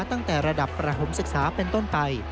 ตั้งแต่ระดับประถมศึกษาเป็นต้นไป